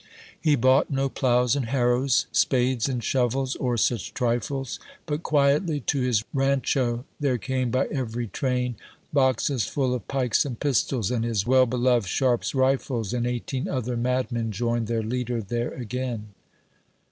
He bought no ploughs and harrows, spades and shovels, or such trifles. But quietly to his rancho there came, by every train, Boxes full of pikes and pistols, and his well beloved Sharp's rifles; And eighteen other madmen joined their leader there again.